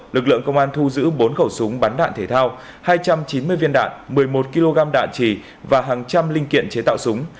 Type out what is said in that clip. lực lượng công an thu giữ bốn khẩu súng bắn đạn thể thao hai trăm chín mươi viên đạn một mươi một kg đạn trì và hàng trăm linh linh kiện chế tạo súng